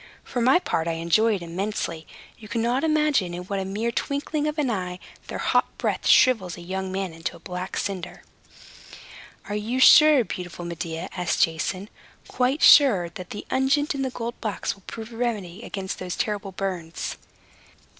For my part, I enjoy it immensely. You cannot imagine in what a mere twinkling of an eye their hot breath shrivels a young man into a black cinder." "Are you sure, beautiful Medea," asked Jason, "quite sure, that the unguent in the gold box will prove a remedy against those terrible burns?"